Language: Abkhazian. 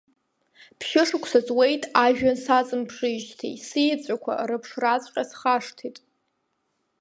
Ԥшьышықәса ҵуеит ажәҩан саҵамԥшижьҭеи, сиеҵәақәа рыԥшраҵәҟьа схашҭит…